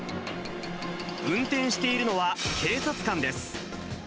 運転しているのは警察官です。